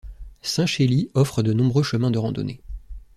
Saint-Chély offre de nombreux chemins de randonnée.